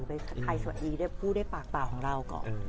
ไปไทยสวัสดีได้พูดด้วยปากเปล่าของเราก่อน